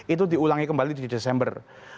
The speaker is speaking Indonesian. itu diulangi kembali di desember dua ribu delapan belas